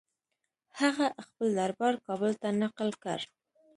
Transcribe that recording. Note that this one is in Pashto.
هغه خپل دربار کابل ته نقل کړ.